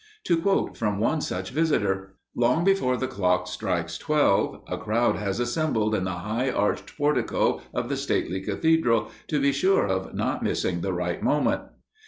To quote from one such visitor: "Long before the clock strikes twelve, a crowd has assembled in the high arched portico of the stately cathedral, to be sure of not missing the right moment.